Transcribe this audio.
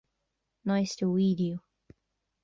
Nice to "weed" you!